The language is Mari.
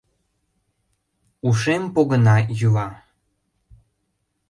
Ушем погына йӱла!..